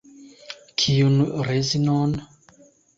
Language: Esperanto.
Kiun rezinon?